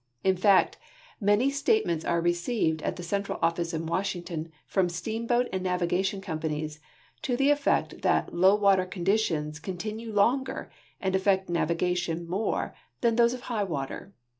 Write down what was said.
In fact, many statements are received at the central office in Washington from steamboat and navigation companies to the effect that low water conditions continue longer and affect navigation more than those of high water.